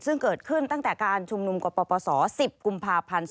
ซึ่งเกิดขึ้นตั้งแต่การชุมนุมกฎปศ๑๐กภ๒๕๕๗